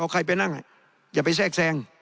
ใครไปนั่งอย่าไปแทรกแทรง